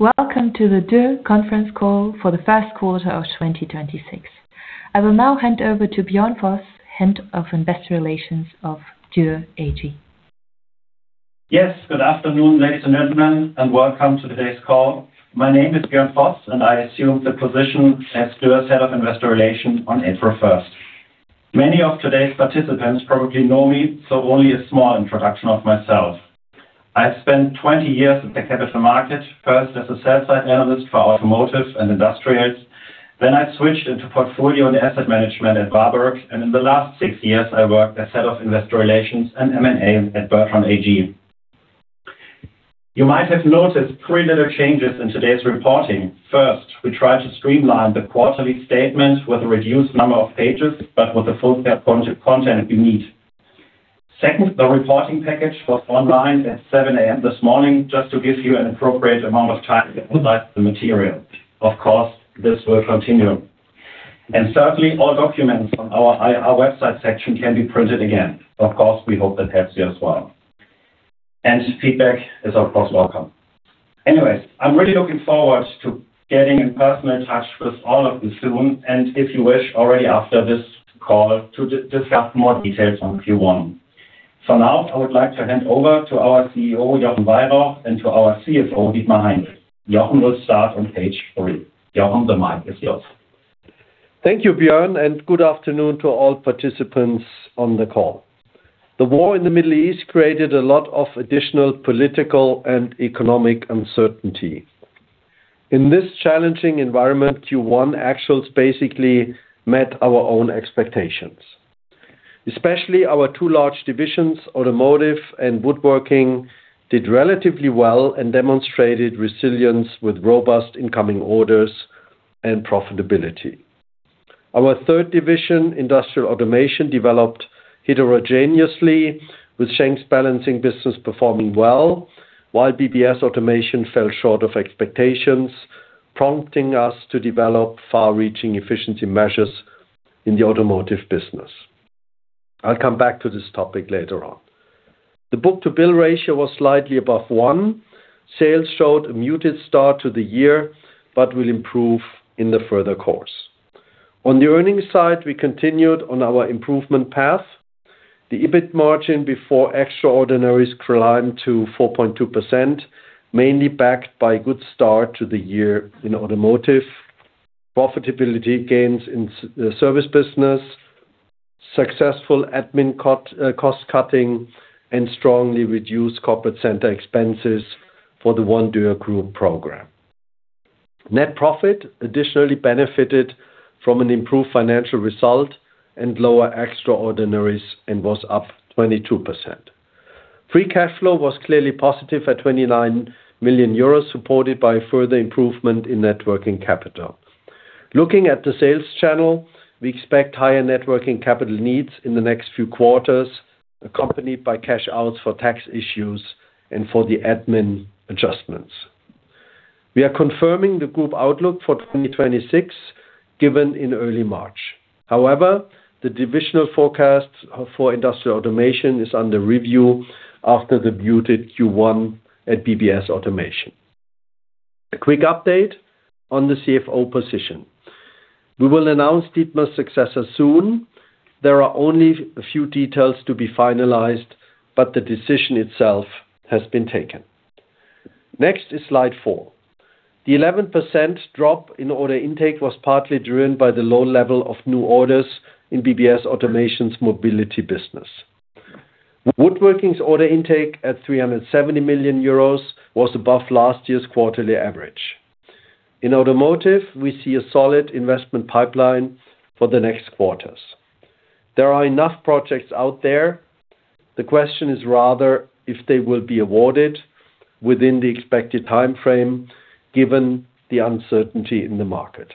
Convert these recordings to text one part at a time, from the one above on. Welcome to the Dürr conference call for the Q1 of 2026. I will now hand over to Björn Voss, Head of Investor Relations of Dürr AG. Yes. Good afternoon, ladies and gentlemen, welcome to today's call. My name is Björn Voss, I assume the position as Dürr Head of Investor Relations on April 1st. Many of today's participants probably know me, only a small introduction of myself. I spent 20 years in the capital market, first as a sell side analyst for automotive and industrials. I switched into portfolio and asset management at Warburg. In the last six years, I worked as Head of Investor Relations and M&A at Bertrandt AG. You might have noticed three little changes in today's reporting. First, we try to streamline the quarterly statement with a reduced number of pages, with the full point of content you need. Second, the reporting package was online at 7:00 A.M. this morning just to give you an appropriate amount of time to analyze the material. Of course, this will continue. Thirdly, all documents on our website section can be printed again. Of course, we hope that helps you as well. Feedback is, of course, welcome. Anyways, I'm really looking forward to getting in personal touch with all of you soon, and if you wish already after this call to discuss more details on Q1. For now, I would like to hand over to our CEO, Jochen Weyrauch, and to our CFO, Dietmar Heinrich. Jochen will start on page three. Jochen, the mic is yours. Thank you, Björn, and good afternoon to all participants on the call. The war in the Middle East created a lot of additional political and economic uncertainty. In this challenging environment, Q1 actuals basically met our own expectations. Especially our two large divisions, automotive and woodworking, did relatively well and demonstrated resilience with robust incoming orders and profitability. Our third division, industrial automation, developed heterogeneously with Schenck balancing business performing well, while BBS Automation fell short of expectations, prompting us to develop far-reaching efficiency measures in the automotive business. I'll come back to this topic later on. The book-to-bill ratio was slightly above 1. Sales showed a muted start to the year, but will improve in the further course. On the earnings side, we continued on our improvement path. The EBIT margin before Extraordinaries climbed to 4.2%, mainly backed by a good start to the year in automotive, profitability gains in the service business, successful admin cut, cost-cutting, and strongly reduced corporate center expenses for the ONE Dürr Group program. Net profit additionally benefited from an improved financial result and lower Extraordinaries and was up 22%. Free cash flow was clearly positive at 29 million euros, supported by further improvement in net working capital. Looking at the sales channel, we expect higher net working capital needs in the next few quarters, accompanied by cash outs for tax issues and for the admin adjustments. We are confirming the group outlook for 2026, given in early March. However, the divisional forecast for industrial automation is under review after the muted Q1 at BBS Automation. A quick update on the CFO position. We will announce Dietmar's successor soon. There are only a few details to be finalized, the decision itself has been taken. Next is slide four. The 11% drop in order intake was partly driven by the low level of new orders in BBS Automation's mobility business. Woodworking's order intake at 370 million euros was above last year's quarterly average. In automotive, we see a solid investment pipeline for the next quarters. There are enough projects out there. The question is rather if they will be awarded within the expected timeframe, given the uncertainty in the market.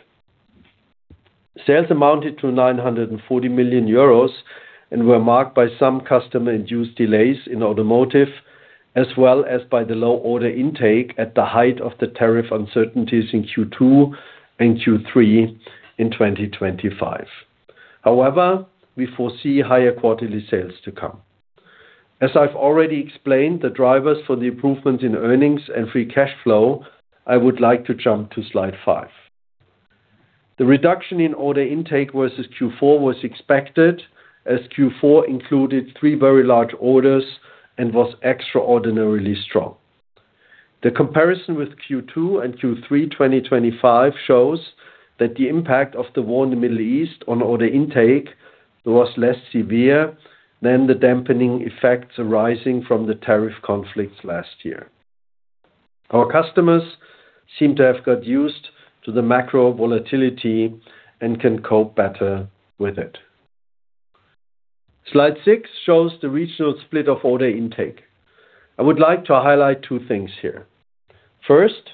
Sales amounted to 940 million euros and were marked by some customer-induced delays in automotive, as well as by the low order intake at the height of the tariff uncertainties in Q2 and Q3 in 2025. We foresee higher quarterly sales to come. As I've already explained the drivers for the improvement in earnings and free cash flow, I would like to jump to slide five. The reduction in order intake versus Q4 was expected, as Q4 included three very large orders and was extraordinarily strong. The comparison with Q2 and Q3 2025 shows that the impact of the war in the Middle East on order intake was less severe than the dampening effects arising from the tariff conflicts last year. Our customers seem to have got used to the macro volatility and can cope better with it. Slide 6 shows the regional split of order intake. I would like to highlight two things here. First,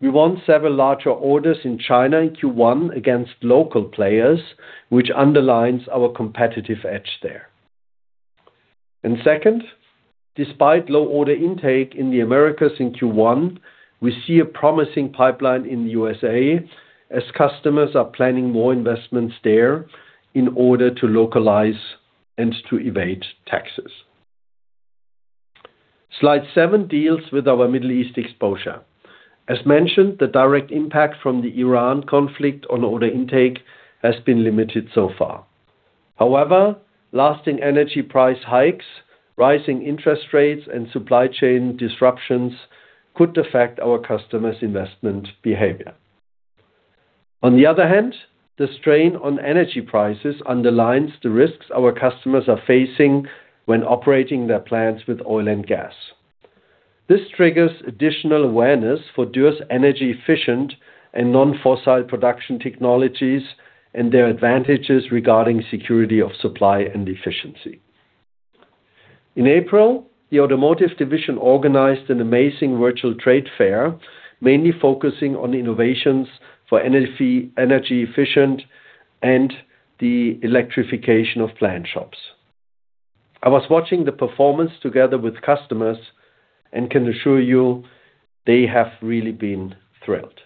we won several larger orders in China in Q1 against local players, which underlines our competitive edge there. Second, despite low order intake in the Americas in Q1, we see a promising pipeline in the USA as customers are planning more investments there in order to localize and to evade taxes. Slide seven deals with our Middle East exposure. As mentioned, the direct impact from the Iran conflict on order intake has been limited so far. However, lasting energy price hikes, rising interest rates, and supply chain disruptions could affect our customers' investment behavior. On the other hand, the strain on energy prices underlines the risks our customers are facing when operating their plants with oil and gas. This triggers additional awareness for Dürr's energy efficient and non-fossil production technologies and their advantages regarding security of supply and efficiency. In April, the automotive division organized an amazing virtual trade fair, mainly focusing on innovations for energy efficient and the electrification of paint shops. I was watching the performance together with customers and can assure you they have really been thrilled.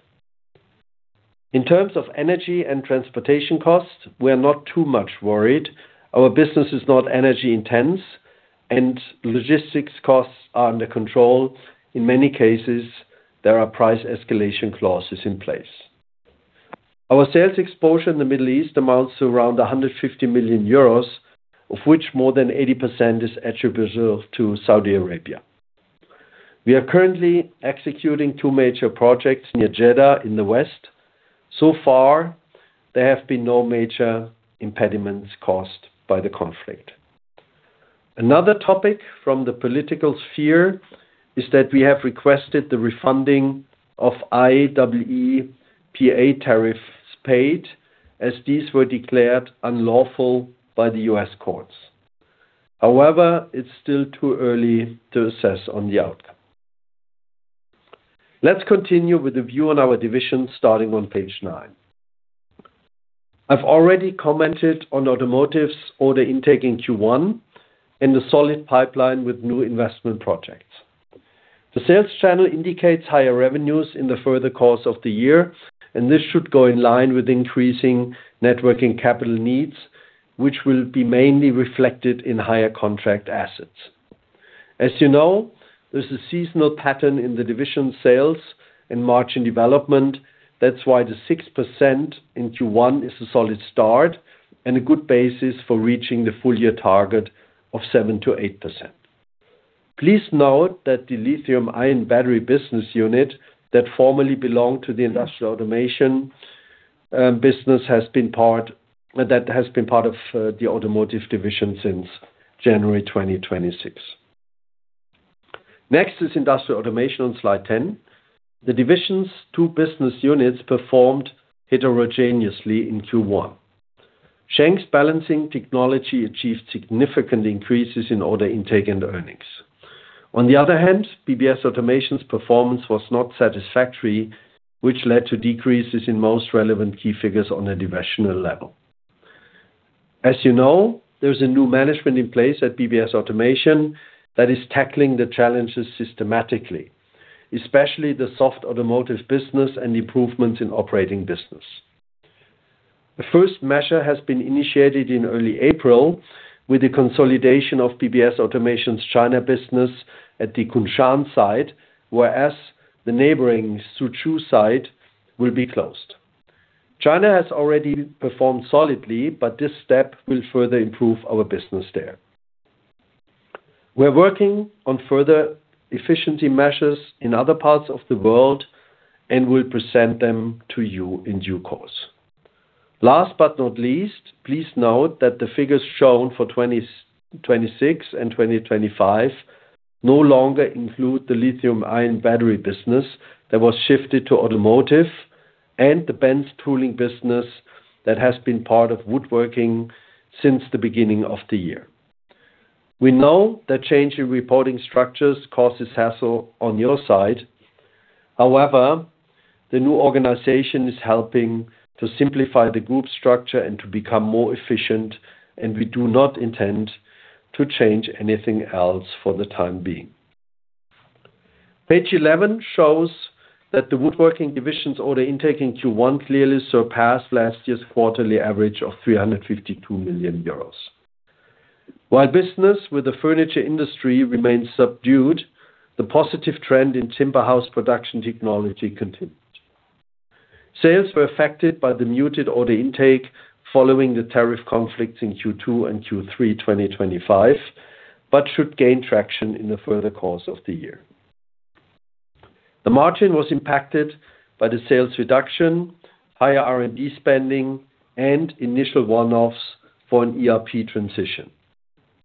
In terms of energy and transportation costs, we are not too much worried. Our business is not energy intense, and logistics costs are under control. In many cases, there are price escalation clauses in place. Our sales exposure in the Middle East amounts to around 150 million euros, of which more than 80% is attributable to Saudi Arabia. We are currently executing two major projects near Jeddah in the west. So far, there have been no major impediments caused by the conflict. Another topic from the political sphere is that we have requested the refunding of IEEPA tariffs paid, as these were declared unlawful by the U.S. courts. However, it's still too early to assess on the outcome. Let's continue with a view on our division starting on page nine. I've already commented on Automotive's order intake in Q1 and the solid pipeline with new investment projects. The sales channel indicates higher revenues in the further course of the year. This should go in line with increasing networking capital needs, which will be mainly reflected in higher contract assets. As you know, there's a seasonal pattern in the division sales and margin development. That's why the 6% in Q1 is a solid start and a good basis for reaching the full year target of 7%-8%. Please note that the lithium ion battery business unit that formerly belonged to the Industrial Automation business has been part of the Automotive division since January 2026. Next is Industrial Automation on slide 10. The division's two business units performed heterogeneously in Q1. Schenck's balancing technology achieved significant increases in order intake and earnings. On the other hand, BBS Automation's performance was not satisfactory, which led to decreases in most relevant key figures on a divisional level. As you know, there's a new management in place at BBS Automation that is tackling the challenges systematically, especially the soft automotive business and improvements in operating business. The first measure has been initiated in early April with the consolidation of BBS Automation's China business at the Kunshan site, whereas the neighboring Suzhou site will be closed. China has already performed solidly, but this step will further improve our business there. We're working on further efficiency measures in other parts of the world and will present them to you in due course. Last but not least, please note that the figures shown for 2026 and 2025 no longer include the lithium ion battery business that was shifted to automotive and the Benz Tooling business that has been part of woodworking since the beginning of the year. We know that change in reporting structures causes hassle on your side. The new organization is helping to simplify the group structure and to become more efficient, and we do not intend to change anything else for the time being. Page 11 shows that the woodworking division's order intake in Q1 clearly surpassed last year's quarterly average of 352 million euros. While business with the furniture industry remains subdued, the positive trend in timber house production technology continued. Sales were affected by the muted order intake following the tariff conflicts in Q2 and Q3 2025, but should gain traction in the further course of the year. The margin was impacted by the sales reduction, higher R&D spending, and initial one-offs for an ERP transition,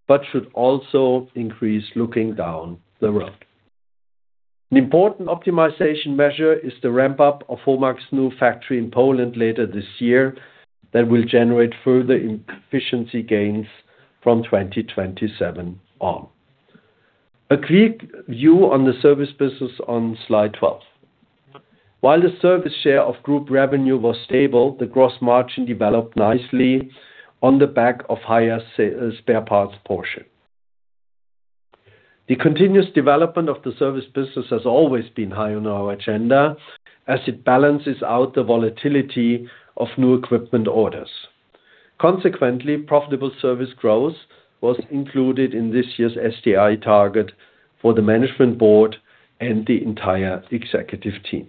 but should also increase looking down the road. An important optimization measure is the ramp-up of HOMAG's new factory in Poland later this year that will generate further efficiency gains from 2027 on. A quick view on the service business on slide 12. While the service share of group revenue was stable, the gross margin developed nicely on the back of higher spare parts portion. The continuous development of the service business has always been high on our agenda as it balances out the volatility of new equipment orders. Consequently, profitable service growth was included in this year's STI target for the management board and the entire executive team.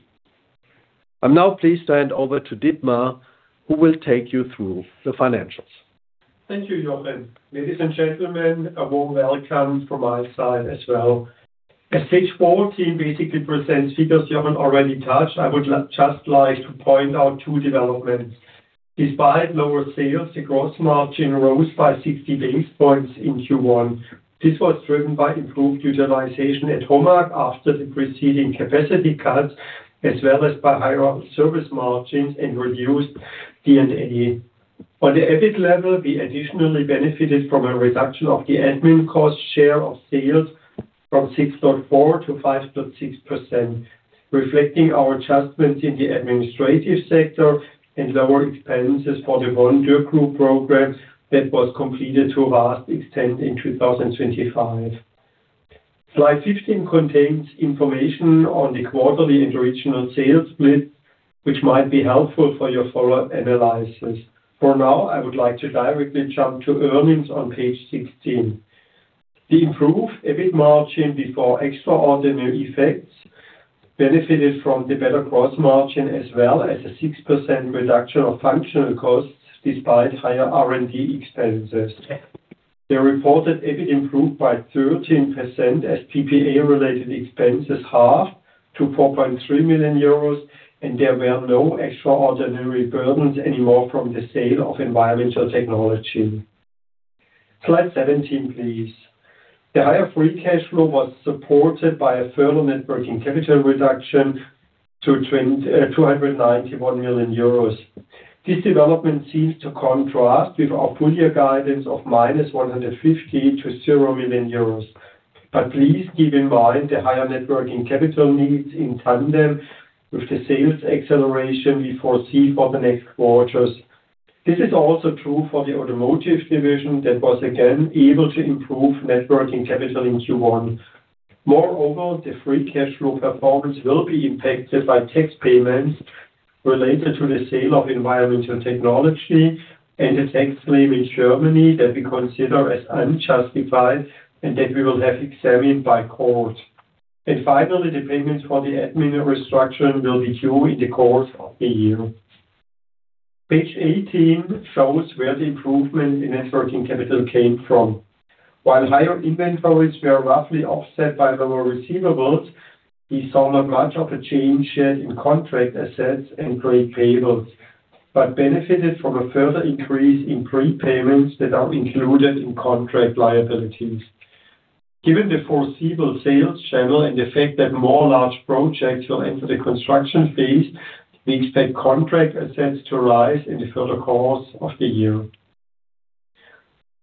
I'm now pleased to hand over to Dietmar, who will take you through the financials. Thank you, Jochen. Ladies and gentlemen, a warm welcome from my side as well. As page 14 basically presents figures Jochen already touched, I would just like to point out two developments. Despite lower sales, the gross margin rose by 60 base points in Q1. This was driven by improved utilization at HOMAG after the preceding capacity cuts, as well as by higher service margins and reduced D&A. On the EBIT level, we additionally benefited from a reduction of the admin cost share of sales from 6.4% to 5.6%, reflecting our adjustment in the administrative sector and lower expenses for the ONE Dürr Group program that was completed to a vast extent in 2025. Slide 15 contains information on the quarterly and regional sales split, which might be helpful for your follow-up analysis. I would like to directly jump to earnings on page 16. The improved EBIT margin before extraordinary effects benefited from the better gross margin, as well as a 6% reduction of functional costs despite higher R&D expenses. The reported EBIT improved by 13% as PPA-related expenses halved to 4.3 million euros. There were no extraordinary burdens anymore from the sale of environmental technology. Slide 17, please. The higher free cash flow was supported by a further net working capital reduction to 291 million euros. This development seems to contrast with our full year guidance of -150 million to 0 million euros. Please keep in mind the higher net working capital needs in tandem with the sales acceleration we foresee for the next quarters. This is also true for the Automotive division that was again able to improve net working capital in Q1. Moreover, the free cash flow performance will be impacted by tax payments related to the sale of environmental technology and a tax claim in Germany that we consider as unjustified and that we will have examined by court. Finally, the payments for the admin restructure will be due in the course of the year. Page 18 shows where the improvement in net working capital came from. While higher inventories were roughly offset by lower receivables, we saw not much of a change in contract assets and trade payables, but benefited from a further increase in prepayments that are included in contract liabilities. Given the foreseeable sales channel and the fact that more large projects will enter the construction phase, we expect contract assets to rise in the further course of the year.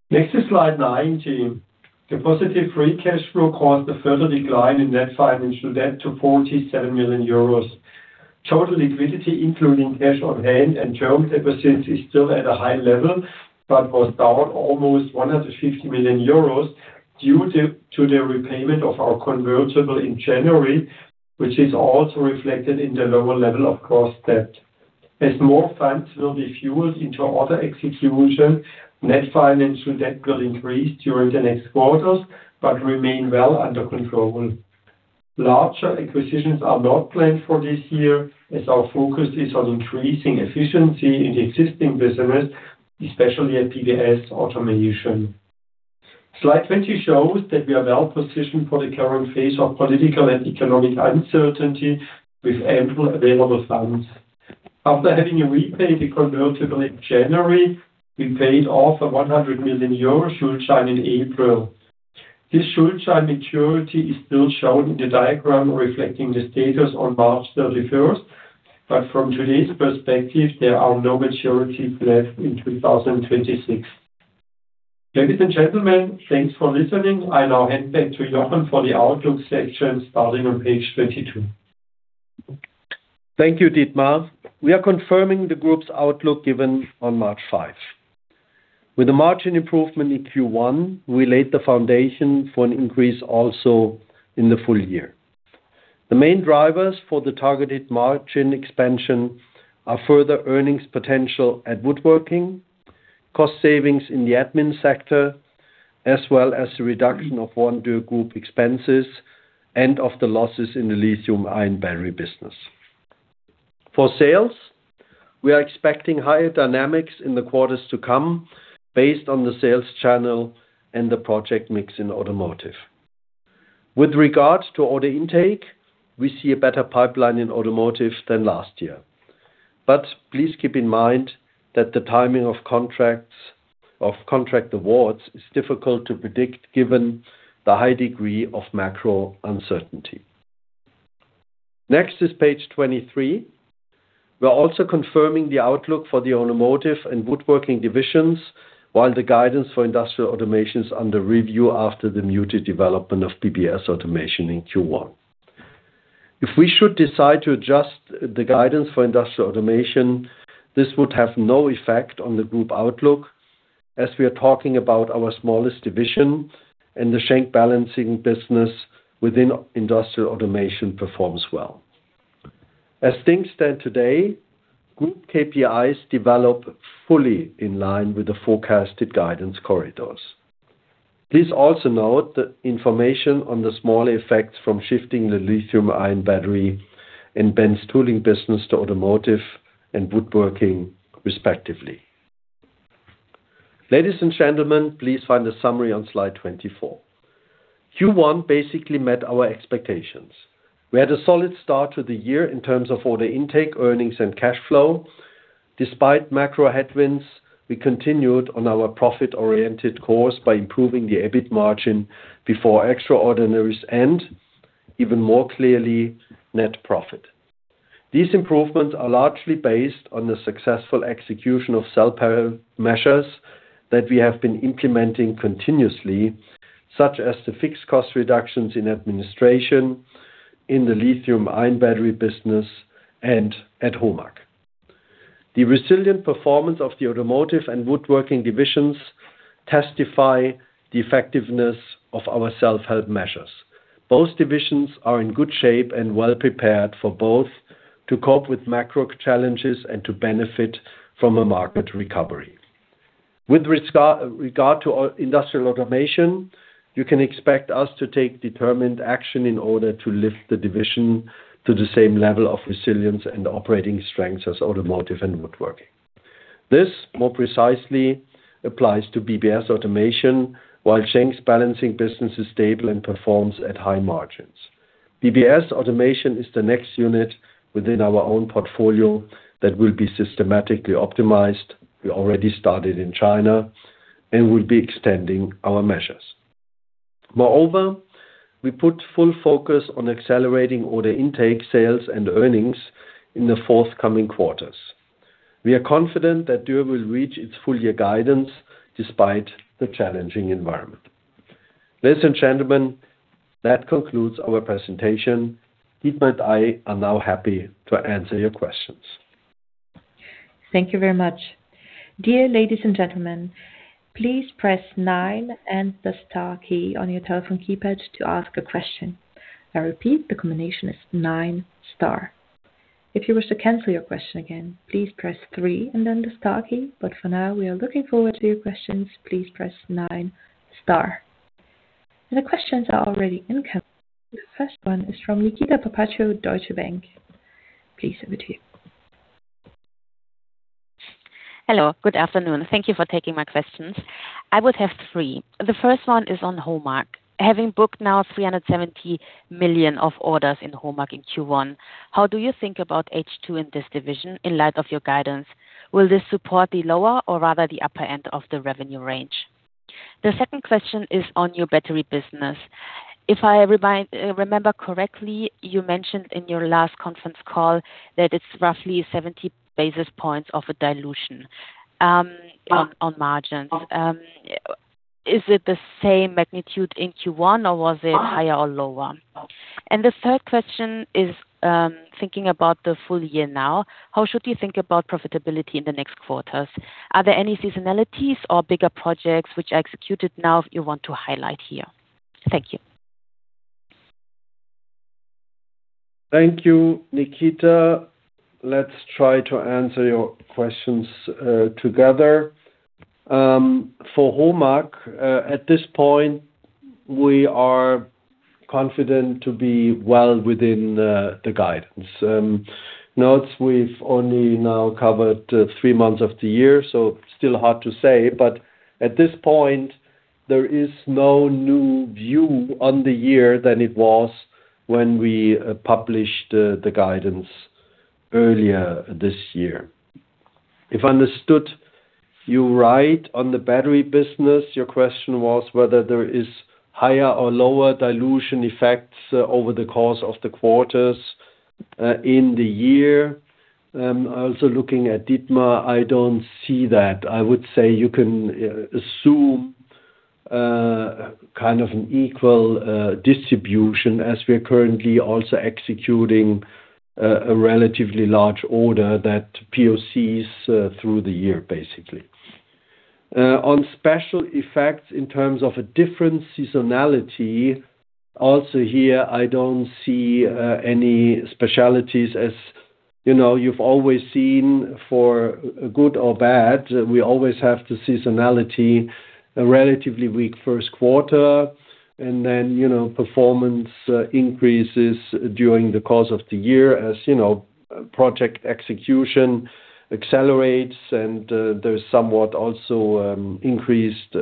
Next is slide 19. The positive free cash flow caused a further decline in net financial debt to 47 million euros. Total liquidity, including cash on hand and term deposits, is still at a high level, but was down almost 150 million euros due to the repayment of our convertible in January, which is also reflected in the lower level of gross debt. As more funds will be fueled into order execution, net financial debt will increase during the next quarters but remain well under control. Larger acquisitions are not planned for this year, as our focus is on increasing efficiency in the existing business, especially at BBS Automation. Slide 20 shows that we are well positioned for the current phase of political and economic uncertainty with ample available funds. After having repaid the convertible in January, we paid off a 100 million euro Schuldschein in April. This Schuldschein maturity is still shown in the diagram reflecting the status on March 31st, but from today's perspective, there are no maturities left in 2026. Ladies and gentlemen, thanks for listening. I now hand back to Jochen for the outlook section starting on page 32. Thank you, Dietmar. We are confirming the Group's outlook given on March 5th. With the margin improvement in Q1, we laid the foundation for an increase also in the full year. The main drivers for the targeted margin expansion are further earnings potential at Woodworking, cost savings in the admin sector, as well as the reduction of ONE Dürr Group expenses and of the losses in the lithium-ion battery business. For sales, we are expecting higher dynamics in the quarters to come based on the sales channel and the project mix in Automotive. With regards to order intake, we see a better pipeline in Automotive than last year. Please keep in mind that the timing of contract awards is difficult to predict given the high degree of macro uncertainty. Next is page 23. We are also confirming the outlook for the Automotive and Woodworking divisions, while the guidance for Industrial Automation is under review after the muted development of BBS Automation in Q1. If we should decide to adjust the guidance for Industrial Automation, this would have no effect on the group outlook, as we are talking about our smallest division and the Schenck balancing business within Industrial Automation performs well. As things stand today, group KPIs develop fully in line with the forecasted guidance corridors. Please also note the information on the small effects from shifting the lithium-ion battery and Benz Tooling business to automotive and woodworking, respectively. Ladies and gentlemen, please find the summary on slide 24. Q1 basically met our expectations. We had a solid start to the year in terms of order intake, earnings, and cash flow. Despite macro headwinds, we continued on our profit-oriented course by improving the EBIT margin before Extraordinaries and even more clearly net profit. These improvements are largely based on the successful execution of self-help measures that we have been implementing continuously, such as the fixed cost reductions in administration in the lithium-ion battery business and at HOMAG. The resilient performance of the automotive and woodworking divisions testify the effectiveness of our self-help measures. Both divisions are in good shape and well prepared for both to cope with macro challenges and to benefit from a market recovery. With regard to our industrial automation, you can expect us to take determined action in order to lift the division to the same level of resilience and operating strength as automotive and woodworking. This more precisely applies to BBS Automation, while Schenck's balancing business is stable and performs at high margins. BBS Automation is the next unit within our own portfolio that will be systematically optimized. We already started in China and will be extending our measures. Moreover, we put full focus on accelerating order intake sales and earnings in the forthcoming quarters. We are confident that Dürr will reach its full year guidance despite the challenging environment. Ladies and gentlemen, that concludes our presentation. Dietmar and I are now happy to answer your questions. Thank you very much. Dear ladies and gentlemen, please press nine and the star key on your telephone keypad to ask a question. I repeat, the combination is nine star. If you wish to cancel your question again, please press three and then the star key. For now, we are looking forward to your questions. Please press nine star. The questions are already in queue. The first one is from Nikita Lal, Deutsche Bank. Please over to you. Hello. Good afternoon. Thank you for taking my questions. I would have three. The first one is on HOMAG. Having booked now 370 million of orders in HOMAG in Q1, how do you think about H2 in this division in light of your guidance? Will this support the lower or rather the upper end of the revenue range? The second question is on your battery business. If I remember correctly, you mentioned in your last conference call that it's roughly 70 basis points of a dilution on margins. Is it the same magnitude in Q1, or was it higher or lower? The third question is, thinking about the full year now, how should you think about profitability in the next quarters? Are there any seasonality or bigger projects which are executed now you want to highlight here? Thank you. Thank you, Nikita. Let's try to answer your questions, together. For HOMAG, at this point, we are confident to be well within the guidance. Note we've only now covered three months of the year, so still hard to say. At this point, there is no new view on the year than it was when we published the guidance earlier this year. If understood you right on the battery business, your question was whether there is higher or lower dilution effects over the course of the quarters in the year. Also looking at Dietmar, I don't see that. I would say you can assume kind of an equal distribution as we are currently also executing a relatively large order that POCs through the year, basically. On special effects in terms of a different seasonality, also here, I don't see any specialties. As you know, you've always seen for good or bad, we always have the seasonality, a relatively weak Q1 and then, you know, performance increases during the course of the year as, you know, project execution accelerates and there's somewhat also increased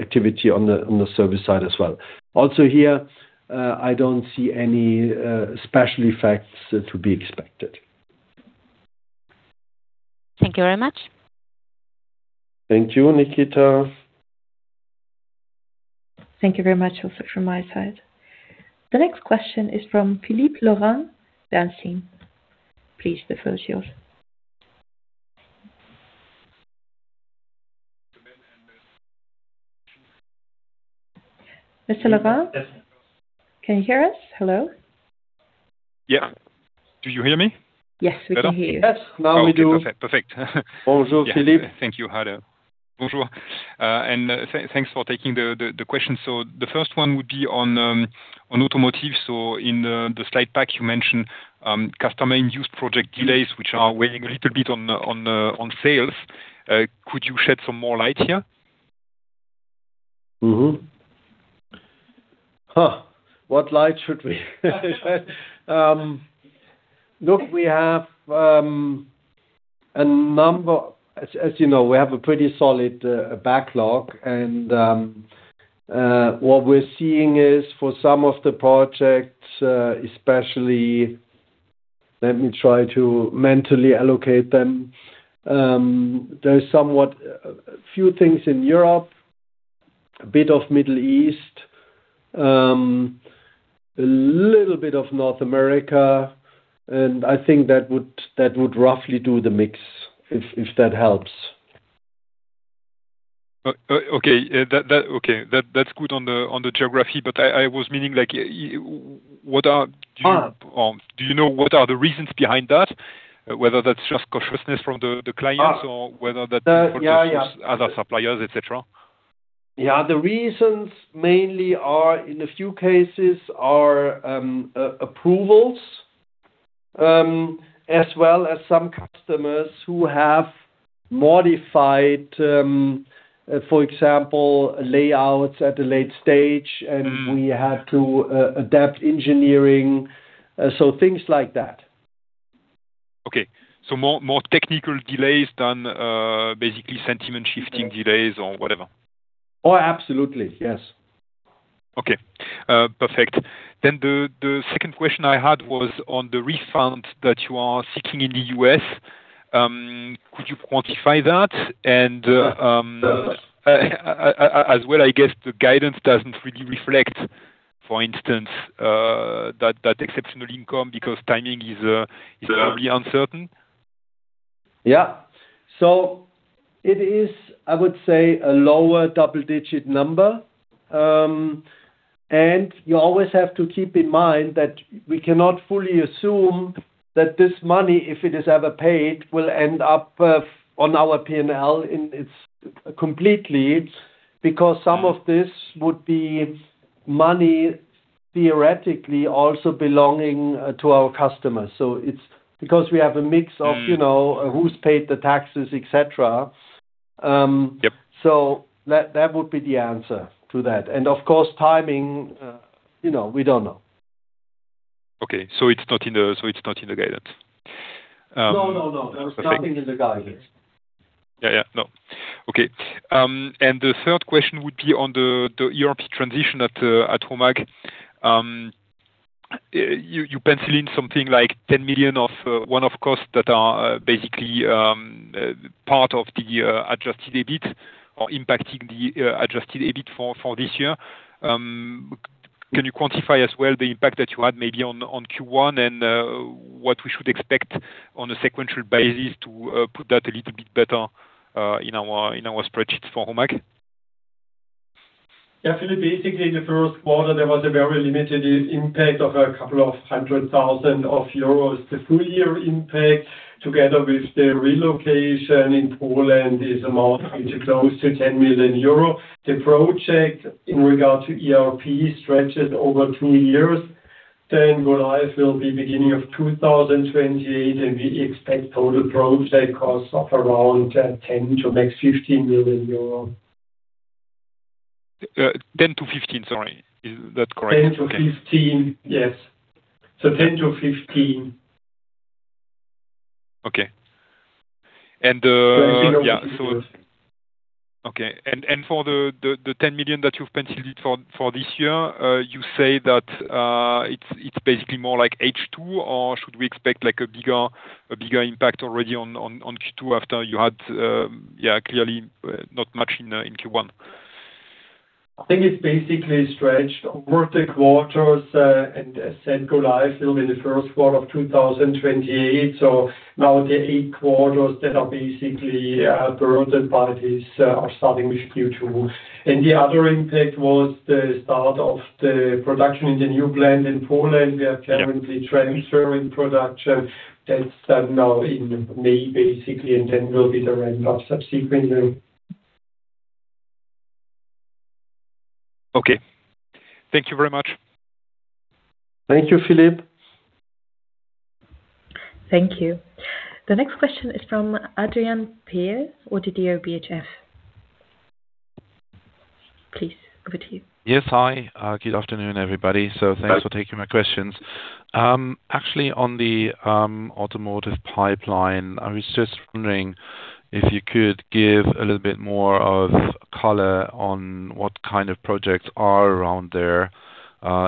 activity on the service side as well. Also here, I don't see any special effects to be expected. Thank you very much. Thank you, Nikita. Thank you very much also from my side. The next question is from Philippe Lorrain, Bernstein. Please, the floor is yours. Mr. Lorrain, can you hear us? Hello. Yeah. Do you hear me? Yes, we can hear you. Yes, now we do. Okay. Perfect. Also Philippe. Thank you. Thanks for taking the question. The first one would be on automotive. In the slide pack, you mentioned customer-induced project delays which are weighing a little bit on sales. Could you shed some more light here? Mm-hmm. What light should we shed? Look, as you know, we have a pretty solid backlog and what we're seeing is for some of the projects, especially, let me try to mentally allocate them. There is somewhat few things in Europe, a bit of Middle East, a little bit of North America, I think that would roughly do the mix, if that helps. Okay. That's good on the geography, but I was meaning like what are. Do you know what are the reasons behind that? Whether that's just cautiousness from the clients? Or whether that is, Yeah. Yeah. From other suppliers, et cetera. Yeah. The reasons mainly are, in a few cases, are approvals, as well as some customers who have modified, for example, layouts at a late stage. We had to adapt engineering so things like that. Okay. more technical delays than, basically sentiment shifting delays or whatever? Oh, absolutely. Yes. Okay. Perfect. The second question I had was on the refund that you are seeking in the U.S. Could you quantify that? Yeah. As well, I guess the guidance doesn't really reflect, for instance, that exceptional income because timing is. Yeah. Is probably uncertain. Yeah. It is, I would say, a lower double-digit number. You always have to keep in mind that we cannot fully assume that this money, if it is ever paid, will end up on our P&L in its completely. Because some of this would be money theoretically also belonging to our customers. It's because we have a mix of, You know, who's paid the taxes, et cetera. Yep. That would be the answer to that. Of course, timing, you know, we don't know. Okay. It's not in the guidance. No, no. Perfect. There's nothing in the guidance. Yeah, yeah. No. Okay. The third question would be on the ERP transition at HOMAG. You penciled in something like 10 million of one-off costs that are basically part of the adjusted EBIT or impacting the adjusted EBIT for this year. Can you quantify as well the impact that you had maybe on Q1 and what we should expect on a sequential basis to put that a little bit better in our spreadsheets for HOMAG? Yeah. Philippe, basically, the Q1, there was a very limited impact of a couple of hundred thousand EUR. The full year impact, together with the relocation in Poland, is amounting to close to 10 million euro. The project in regard to ERP stretches over two years. Go live will be beginning of 2028, and we expect total project costs of around 10 million-15 million euros. 10 to 15, sorry. Is that correct? 10-15. Yes. 10-15. Okay. So within our previous, Okay. For the 10 million that you've penciled it for for this year, you say that it's basically more like H2, or should we expect like a bigger impact already on Q2 after you had clearly not much in Q1? I think it's basically stretched over the quarters, and as said, go live will be the Q1 of 2028. So now the 8 quarters that are basically affected by this are starting with Q2. The other impact was the start of the production in the new plant in Poland. Yep. We are currently transferring production. That start now in May, basically, and then will be the ramp-up subsequently. Okay. Thank you very much. Thank you, Philippe. Thank you. The next question is from Adrian Pehl, ODDO BHF. Please, over to you. Yes. Hi. Good afternoon, everybody. Thanks for taking my questions. Actually on the automotive pipeline, I was just wondering if you could give a little bit more of color on what kind of projects are around there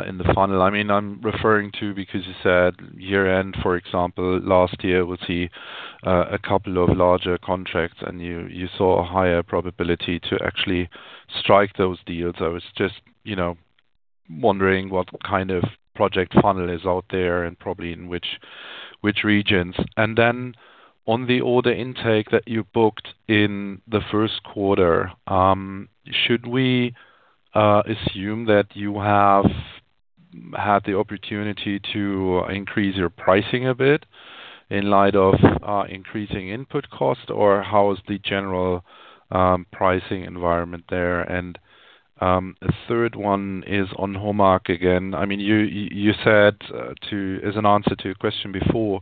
in the funnel. I mean, I'm referring to because you said year-end, for example, last year we'll see a couple of larger contracts and you saw a higher probability to actually strike those deals. I was just, you know, wondering what kind of project funnel is out there and probably in which regions. Then on the order intake that you booked in the Q1, should we assume that you had the opportunity to increase your pricing a bit in light of increasing input cost? How is the general pricing environment there? A third one is on HOMAG again. I mean, you said as an answer to a question before,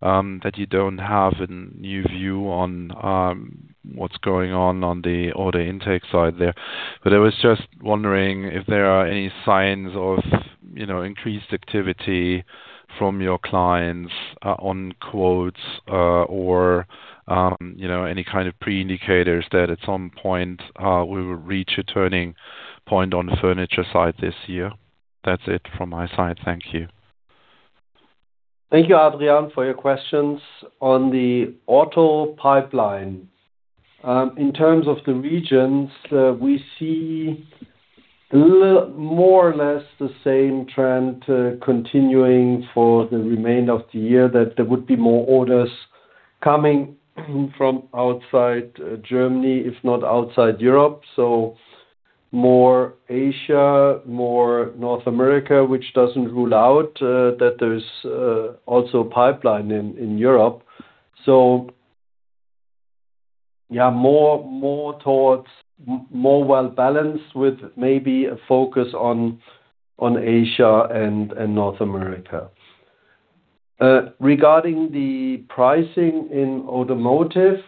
that you don't have a new view on what's going on on the order intake side there. I was just wondering if there are any signs of, you know, increased activity from your clients on quotes or, you know, any kind of pre-indicators that at some point we will reach a turning point on the furniture side this year. That's it from my side. Thank you. Thank you, Adrian, for your questions. On the auto pipeline, in terms of the regions, we see more or less the same trend continuing for the remainder of the year, that there would be more orders coming from outside Germany, if not outside Europe. More Asia, more North America, which doesn't rule out that there's also a pipeline in Europe. Yeah, more towards more well-balanced with maybe a focus on Asia and North America. Regarding the pricing in automotive,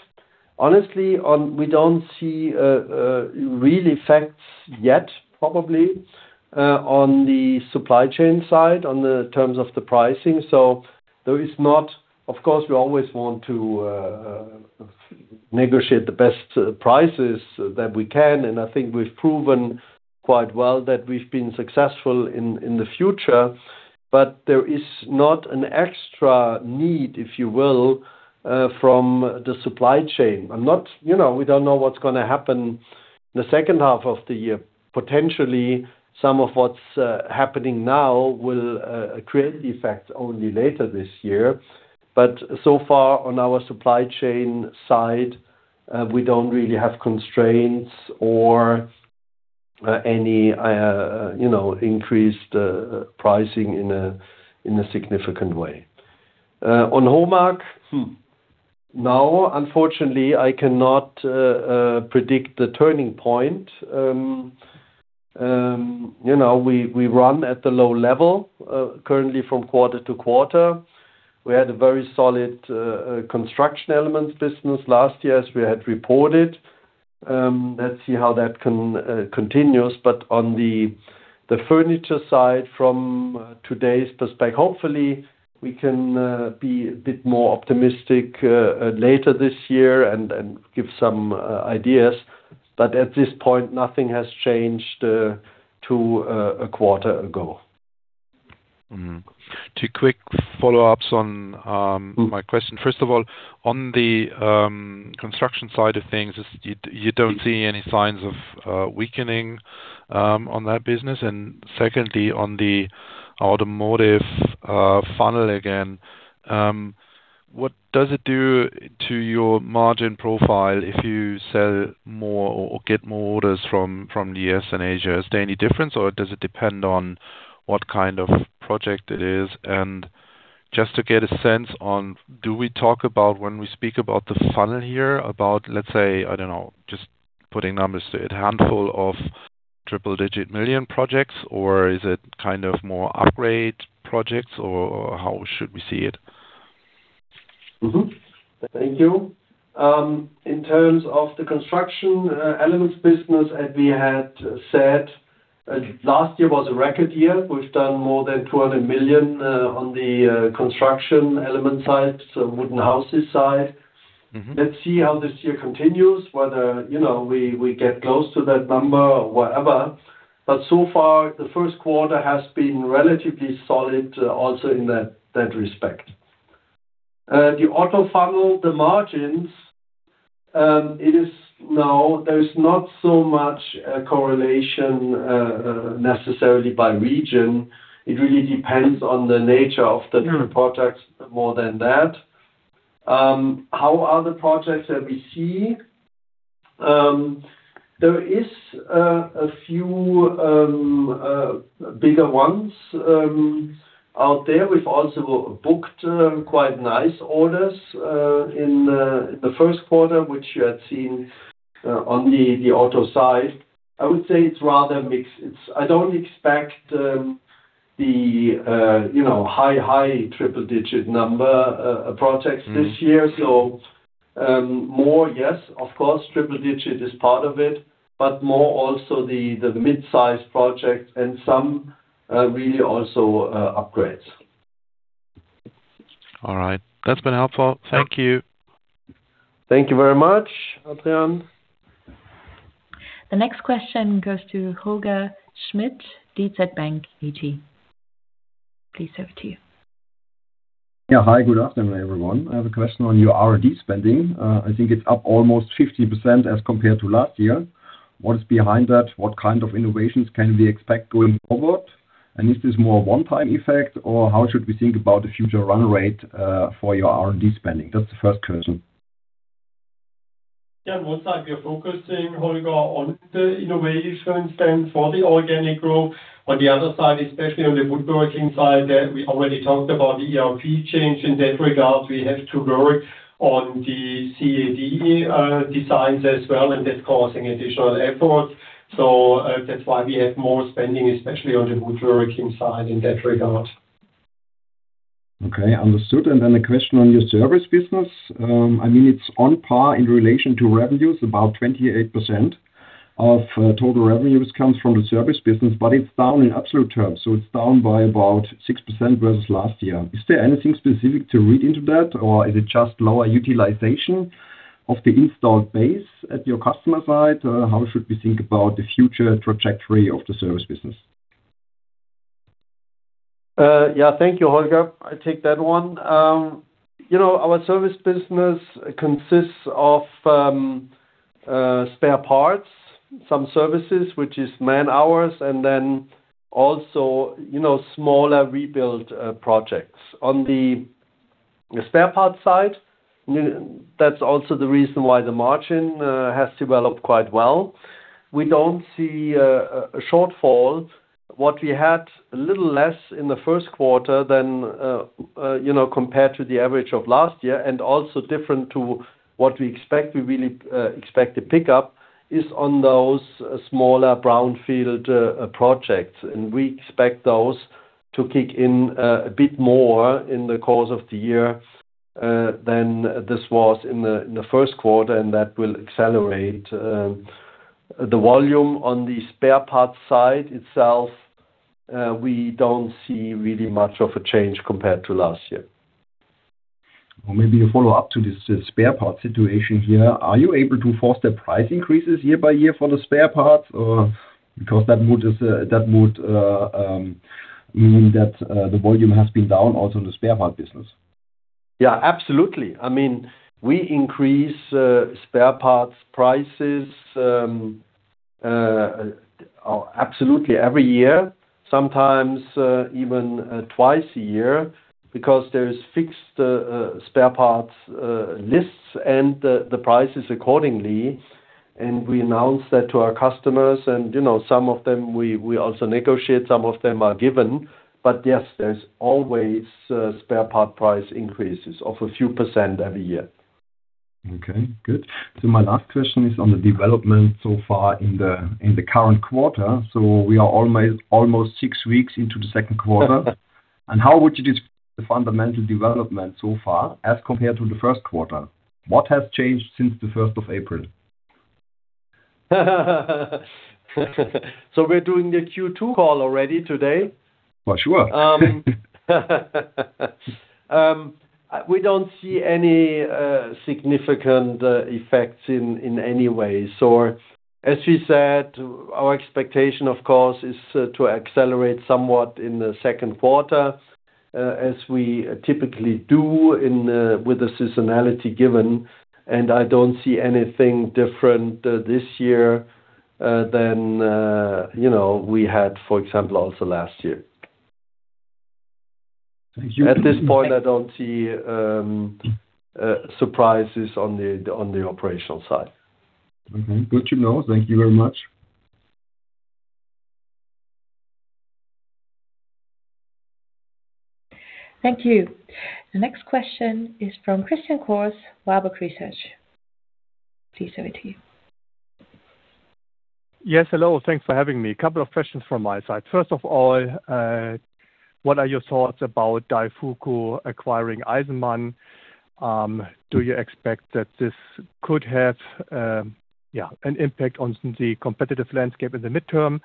honestly, we don't see really effects yet, probably, on the supply chain side on the terms of the pricing. Of course, we always want to negotiate the best prices that we can, and I think we've proven quite well that we've been successful in the future. There is not an extra need, if you will, from the supply chain. You know, we don't know what's gonna happen in the second half of the year. Potentially, some of what's happening now will create effects only later this year. So far on our supply chain side, we don't really have constraints or any, you know, increased pricing in a significant way. On HOMAG, now, unfortunately, I cannot predict the turning point. You know, we run at the low level currently from quarter-to-quarter. We had a very solid construction elements business last year, as we had reported. Let's see how that continues. On the furniture side from today's perspective, hopefully we can be a bit more optimistic later this year and give some ideas. At this point, nothing has changed to a quarter ago. Two quick follow-ups on my question. First of all, on the construction side of things, you don't see any signs of weakening on that business? Secondly, on the automotive funnel again, what does it do to your margin profile if you sell more or get more orders from the U.S. and Asia? Is there any difference or does it depend on what kind of project it is? Just to get a sense on, do we talk about when we speak about the funnel here about, let's say, I don't know, just putting numbers to it, a handful of triple-digit million projects? Or is it kind of more upgrade projects? Or how should we see it? Thank you. In terms of the construction elements business, as we had said, last year was a record year. We've done more than 20 million on the construction element side, so wooden houses side. Let's see how this year continues, whether, you know, we get close to that number or whatever. So far, the Q1 has been relatively solid, also in that respect. The auto funnel, the margins, there is not so much a correlation necessarily by region. It really depends on the nature of the different projects more than that. How are the projects that we see? There is a few bigger ones out there. We've also booked quite nice orders in the Q1, which you had seen on the auto side. I would say it's rather mixed. I don't expect, you know, high triple-digit number projects this year. more, yes, of course, triple digit is part of it, but more also the mid-size projects and some, really also, upgrades. All right. That's been helpful. Thank you. Thank you very much, Adrian. The next question goes to Holger Schmidt, DZ Bank AG. Please over to you. Yeah. Hi, good afternoon, everyone. I have a question on your R&D spending. I think it's up almost 50% as compared to last year. What is behind that? What kind of innovations can we expect going forward? Is this more a one-time effect or how should we think about the future run rate for your R&D spending? That's the first question. Yeah, on one side, we are focusing, Holger, on the innovations for the organic growth. On the other side, especially on the woodworking side that we already talked about the ERP change. In that regard, we have to work on the CAD designs as well, that's causing additional effort. That's why we have more spending, especially on the woodworking side in that regard. Okay. Understood. A question on your service business. I mean, it's on par in relation to revenues. About 28% of total revenues comes from the service business, but it's down in absolute terms, so it's down by about 6% versus last year. Is there anything specific to read into that, or is it just lower utilization of the installed base at your customer side? How should we think about the future trajectory of the service business? Yeah. Thank you, Holger. I take that one. You know, our service business consists of spare parts, some services, which is man-hours, and then also, you know, smaller rebuild projects. On the spare parts side, that's also the reason why the margin has developed quite well. We don't see a shortfall. What we had a little less in the Q1 than, you know, compared to the average of last year and also different to what we expect. We really expect a pickup is on those smaller brownfield projects, and we expect those to kick in a bit more in the course of the year than this was in the Q1, and that will accelerate the volume on the spare parts side itself. We don't see really much of a change compared to last year. Maybe a follow-up to this, spare parts situation here. Are you able to foster price increases year by year for the spare parts or? That would mean that the volume has been down also in the spare part business. Absolutely. I mean, we increase spare parts prices, absolutely every year, sometimes even twice a year because there is fixed spare parts lists and the prices accordingly, and we announce that to our customers. You know, some of them, we also negotiate, some of them are given. Yes, there's always spare part price increases of a few % every year. Okay, good. My last question is on the development so far in the, in the current quarter. We are almost 6 weeks into the Q2. How would you describe the fundamental development so far as compared to the Q1? What has changed since the first of April? We're doing the Q2 call already today. For sure. We don't see any significant effects in any way. As we said, our expectation, of course, is to accelerate somewhat in the Q2 as we typically do in with the seasonality given, and I don't see anything different this year than you know we had for example also last year. Thank you. At this point, I don't see surprises on the operational side. Okay. Good to know. Thank you very much. Thank you. The next question is from Christian Cohrs, Warburg Research. C seventy. Yes. Hello. Thanks for having me. A couple of questions from my side. First of all, what are your thoughts about Daifuku acquiring Eisenmann? Do you expect that this could have an impact on the competitive landscape in the midterm?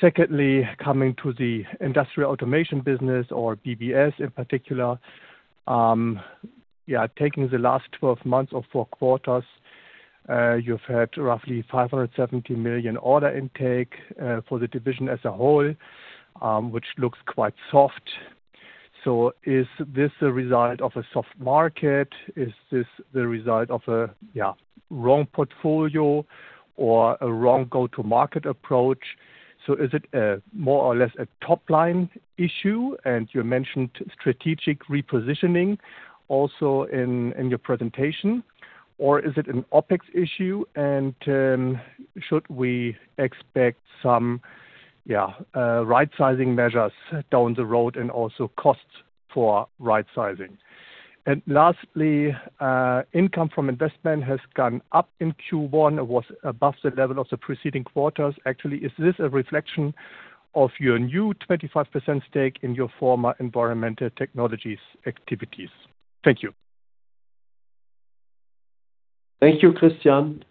Secondly, coming to the industrial automation business or BBS in particular, taking the last 12 months or 4 quarters, you've had roughly 570 million order intake for the division as a whole, which looks quite soft. Is this a result of a soft market? Is this the result of a wrong portfolio or a wrong go-to-market approach? Is it more or less a top-line issue? You mentioned strategic repositioning also in your presentation, or is it an OpEx issue? Should we expect some rightsizing measures down the road and also costs for rightsizing? Lastly, income from investment has gone up in Q1. It was above the level of the preceding quarters. Actually, is this a reflection of your new 25% stake in your former environmental technologies activities? Thank you. Thank you, Christian.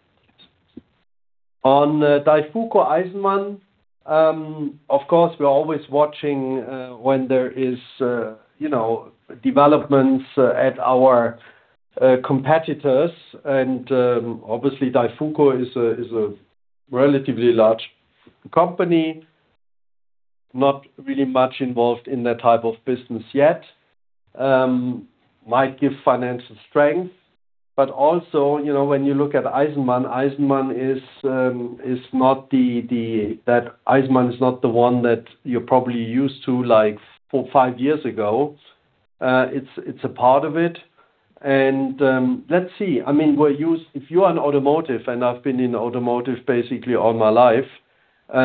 On Daifuku, Eisenmann, of course, we're always watching, when there is, you know, developments at our competitors. Obviously, Daifuku is a, is a relatively large company, not really much involved in that type of business yet. Might give financial strength. Also, you know, when you look at Eisenmann is not the one that you're probably used to like four, five years ago. It's a part of it. Let's see. I mean, if you are in automotive, and I've been in automotive basically all my life,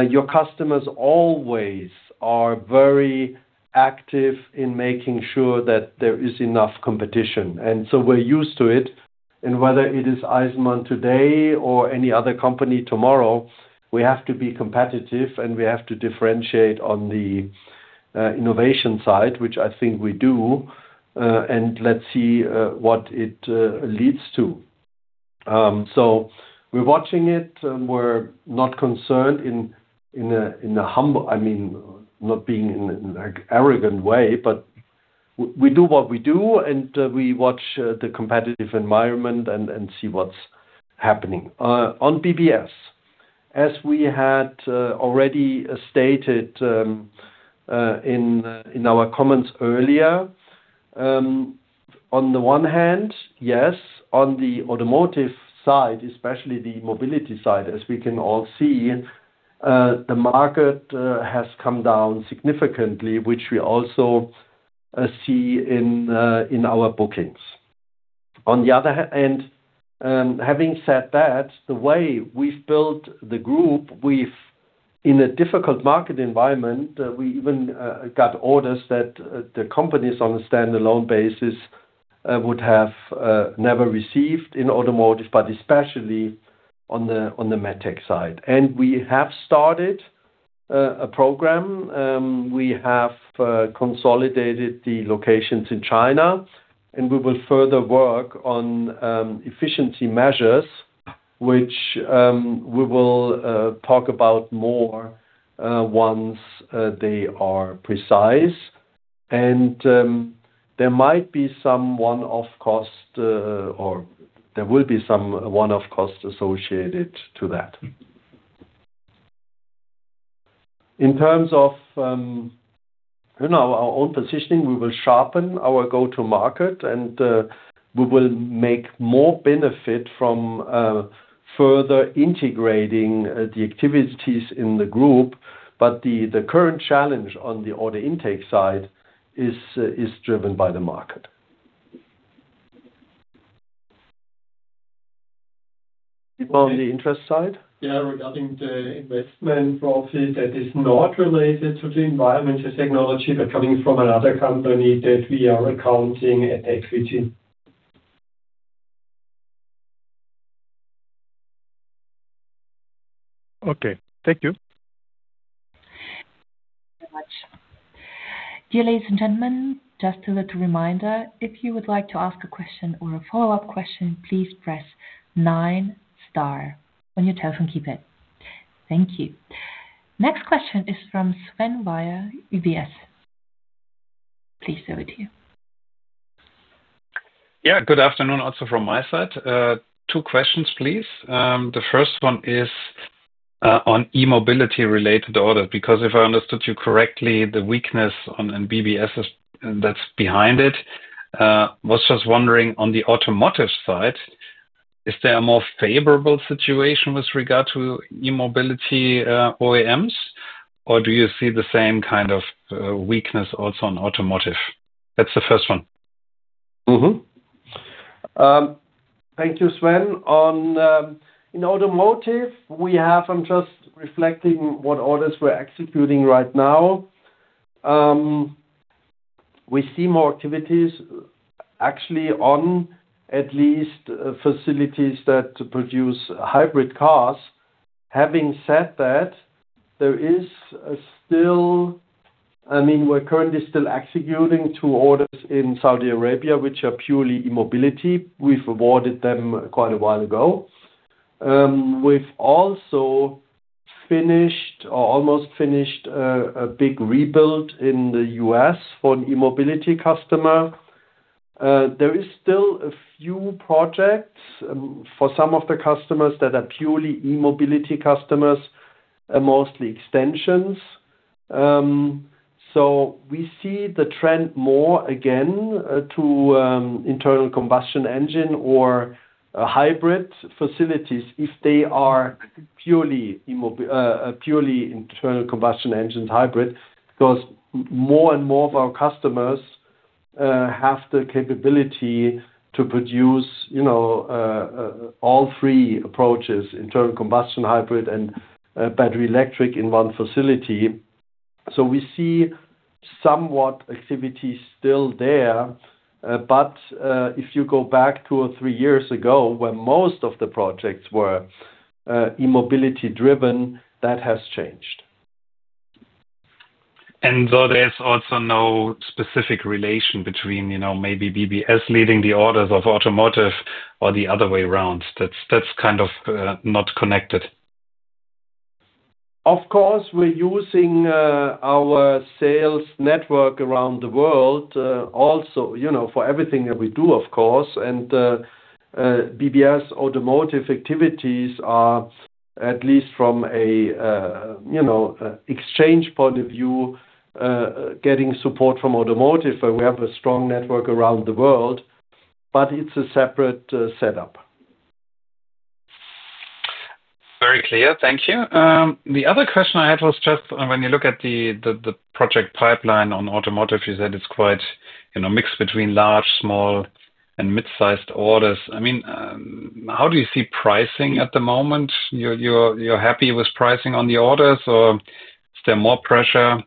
your customers always are very active in making sure that there is enough competition. We're used to it. Whether it is Eisenmann today or any other company tomorrow, we have to be competitive, and we have to differentiate on the innovation side, which I think we do. Let's see what it leads to. We're watching it, and we're not concerned. I mean, not being in, like, arrogant way, but we do what we do, and we watch the competitive environment and see what's happening. On BBS, as we had already stated in our comments earlier, on the one hand, yes, on the automotive side, especially the mobility side, as we can all see, the market has come down significantly, which we also see in our bookings. Having said that, the way we've built the group, in a difficult market environment, we even got orders that the companies on a standalone basis would have never received in automotive, but especially on the Medtech side. We have started a program. We have consolidated the locations in China, and we will further work on efficiency measures, which we will talk about more once they are precise. There might be some one-off cost, or there will be some one-off cost associated to that. In terms of, you know, our own positioning, we will sharpen our go-to-market. We will make more benefit from further integrating the activities in the group. The current challenge on the order intake side is driven by the market. On the interest side? Regarding the investment profit that is not related to the environmental technology, but coming from another company that we are accounting at equity. Okay. Thank you. Thank you very much. Dear ladies and gentlemen, just a little reminder, if you would like to ask a question or a follow-up question, please press nine star on your telephone keypad. Thank you. Next question is from Sven Weier, UBS. Please go ahead. Yeah, good afternoon also from my side. two questions, please. The first one is on e-mobility related orders. If I understood you correctly, the weakness on BBS that's behind it. Was just wondering on the automotive side, is there a more favorable situation with regard to e-mobility, OEMs, or do you see the same kind of weakness also on automotive? That's the first one. Thank you, Sven. In automotive, I'm just reflecting what orders we're executing right now. We see more activities actually on at least facilities that produce hybrid cars. Having said that, there is, I mean, we're currently still executing two orders in Saudi Arabia, which are purely e-mobility. We've awarded them quite a while ago. We've also finished or almost finished a big rebuild in the U.S. for an e-mobility customer. There is still a few projects for some of the customers that are purely e-mobility customers, mostly extensions. We see the trend more again to internal combustion engine or hybrid facilities if they are purely internal combustion engines hybrid, because more and more of our customers have the capability to produce, you know, all three approaches, internal combustion hybrid and battery electric in one facility. We see somewhat activity still there. If you go back two or three years ago, when most of the projects were e-mobility driven, that has changed. There's also no specific relation between, you know, maybe BBS leading the orders of automotive or the other way around. That's kind of not connected. Of course, we're using our sales network around the world, also, you know, for everything that we do, of course. BBS Automation activities are at least from a, you know, exchange point of view, getting support from automotive. We have a strong network around the world, but it's a separate setup. Clear. Thank you. The other question I had was just when you look at the project pipeline on automotive, you said it's quite, you know, mixed between large, small, and mid-sized orders. I mean, how do you see pricing at the moment? You're happy with pricing on the orders, or is there more pressure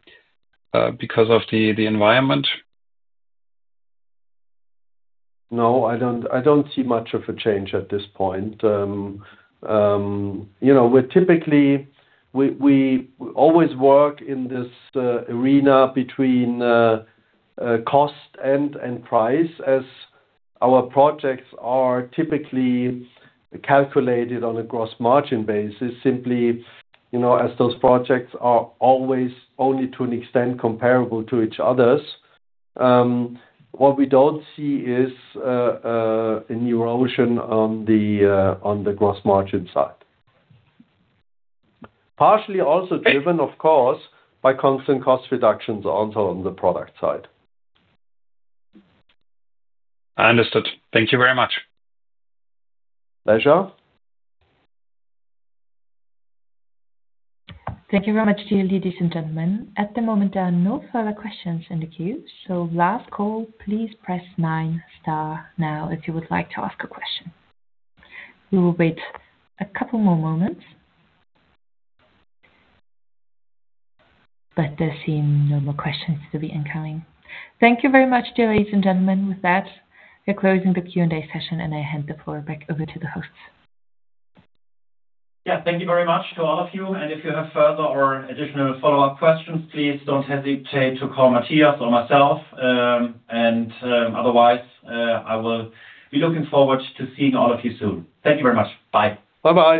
because of the environment? No, I don't, I don't see much of a change at this point. You know, we always work in this arena between cost and price as our projects are typically calculated on a gross margin basis, simply, you know, as those projects are always only to an extent comparable to each others. What we don't see is an erosion on the gross margin side. Partially also driven, of course, by constant cost reductions also on the product side. Understood. Thank you very much. Pleasure. Thank you very much, dear ladies and gentlemen. At the moment, there are no further questions in the queue. Last call, please press nine star now if you would like to ask a question. We will wait a couple more moments. There seem no more questions to be incoming. Thank you very much, dear ladies and gentlemen. With that, we're closing the Q&A session, and I hand the floor back over to the hosts. Yeah. Thank you very much to all of you. If you have further or additional follow-up questions, please don't hesitate to call Matthias or myself. Otherwise, I will be looking forward to seeing all of you soon. Thank you very much. Bye. Bye-bye.